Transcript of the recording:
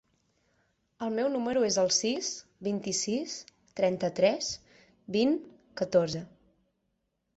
El meu número es el sis, vint-i-sis, trenta-tres, vint, catorze.